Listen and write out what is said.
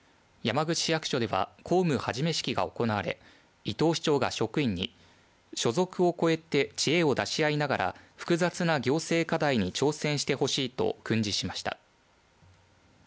山口市役所では公務始め式が行われ伊藤市長が職員に所属を越えて知恵を出し合いながら複雑な行政課題に挑戦してほしいと訓示しました。